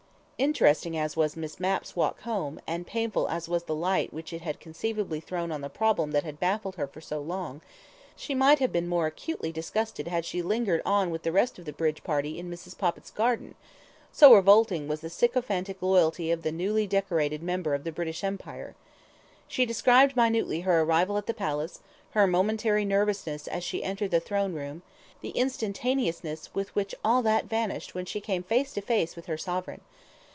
... Interesting as was Miss Mapp's walk home, and painful as was the light which it had conceivably thrown on the problem that had baffled her for so long, she might have been even more acutely disgusted had she lingered on with the rest of the bridge party in Mrs. Poppit's garden, so revolting was the sycophantic loyalty of the newly decorated Member of the British Empire. ... She described minutely her arrival at the Palace, her momentary nervousness as she entered the Throne room, the instantaneousness with which that all vanished when she came face to face with her Sovereign.